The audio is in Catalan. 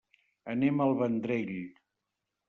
Anem al Vendrell.